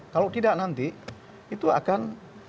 kalau tidak nanti itu akan